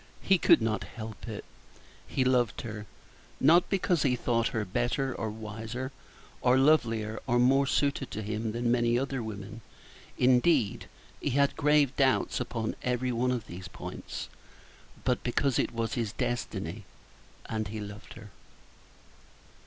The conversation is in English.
He could not help it! He loved her; not because he thought her better, or wiser, or lovelier, or more suited to him than many other women indeed, he had grave doubts upon every one of these points but because it was his destiny, and he loved her.